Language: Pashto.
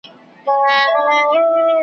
مالداري د خلکو عاید زیاتوي.